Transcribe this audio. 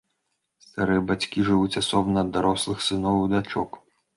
Старыя бацькі жывуць асобна ад дарослых сыноў і дачок.